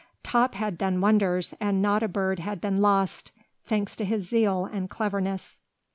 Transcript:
Top had done wonders, and not a bird had been lost, thanks to his zeal and cleverness.